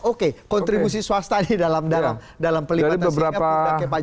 oke kontribusi swasta di dalam dalam pelibatan swasta